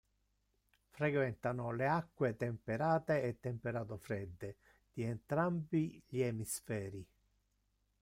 Frequentano le acque temperate e temperato fredde di entrambi gli emisferi.